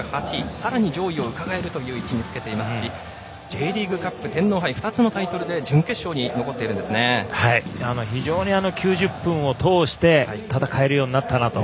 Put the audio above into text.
さらに上位をうかがえる位置につけていますしＪリーグカップ、天皇杯２つのタイトルで非常に９０分を通して戦えるようになったなと。